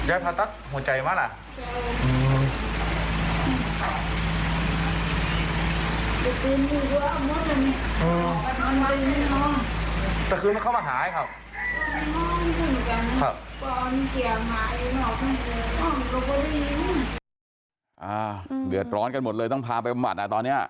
อ่าเดือดร้อนกันหมดเลยต้องพาไปประมาทอ่ะตอนเนี่ย